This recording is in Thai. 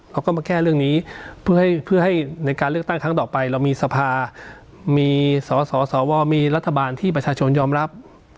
เขาก็มาแก้เรื่องนี้เพื่อให้ในการเลือกตั้งครั้งต่อไปเรามีสภามีสสวมีรัฐบาลที่ประชาชนยอมรับ